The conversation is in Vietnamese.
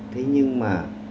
thế nhưng mà